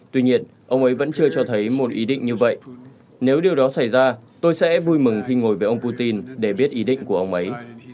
tuy nhiên ông ấy vẫn chưa cho thấy một ý định như vậy nếu điều đó xảy ra tôi sẽ vui mừng khi ngồi với ông putin để biết ý định của ông ấy